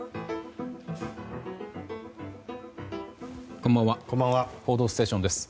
こんばんは「報道ステーション」です。